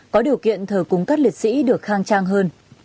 có điều kiện thờ cúng các liệt sĩ được khang trang hơn